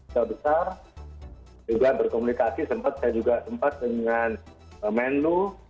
saya besar juga berkomunikasi sempat saya juga sempat dengan menlu